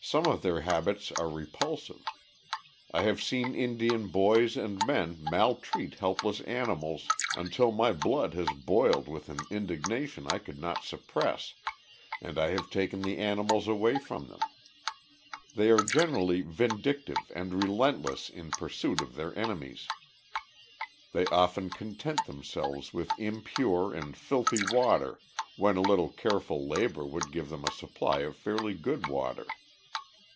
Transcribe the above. Some of their habits are repulsive. I have seen Indian boys and men maltreat helpless animals until my blood has boiled with an indignation I could not suppress, and I have taken the animals away from them. They are generally vindictive and relentless in pursuit of their enemies. They often content themselves with impure and filthy water when a little careful labor would give them a supply of fairly good water.